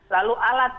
lalu alat yang dibuat